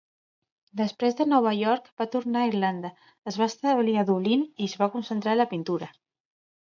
Després de Nova York, va tornar a Irlanda, es va establir a Dublín i es va concentrar a la pintura.